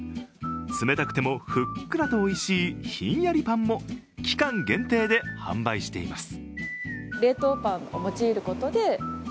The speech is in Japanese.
冷たくてもふっくらとおいしい冷んやりパンも期間限定で販売しています。